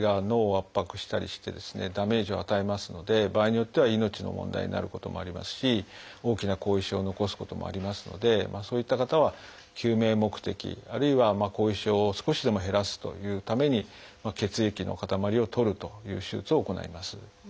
ダメージを与えますので場合によっては命の問題になることもありますし大きな後遺症を残すこともありますのでそういった方は救命目的あるいは後遺症を少しでも減らすというために血液の塊を取るという手術を行います。